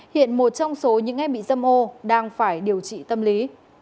hiện một trong số những em bị dâm ô đang phải điều trị tâm lý